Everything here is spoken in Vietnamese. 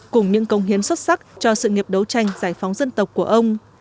cùng những công hiến xuất sắc cho sự nghiệp đấu tranh giải phóng dân tộc của ông